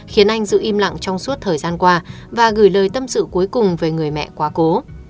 khiến anh giữ im lặng trong suốt thời gian qua và gửi lời tâm sự cuối cùng về người mẹ quá cố